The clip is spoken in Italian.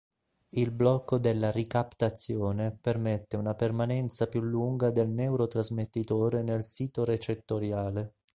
Il blocco della ricaptazione permette una permanenza più lunga del neurotrasmettitore nel sito recettoriale.